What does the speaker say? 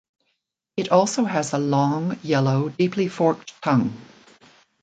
It also has a long, yellow, deeply forked tongue.